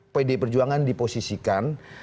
pdi perjuangan diposisikan